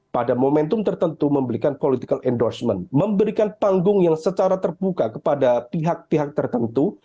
pada momentum tertentu memberikan political endorsement memberikan panggung yang secara terbuka kepada pihak pihak tertentu